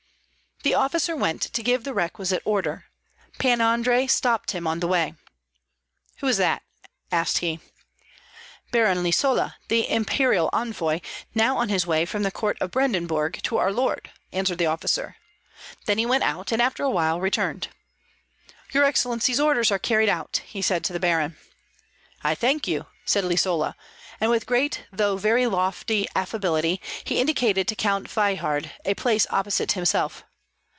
The officer went to give the requisite order. Pan Andrei stopped him on the way. "Who is that?" asked he. "Baron Lisola, the Imperial Envoy, now on his way from the court of Brandenburg to our lord," answered the officer. Then he went out, and after a while returned. "Your excellency's orders are carried out," said he to the baron. "I thank you," said Lisola; and with great though very lofty affability he indicated to Count Veyhard a place opposite himself.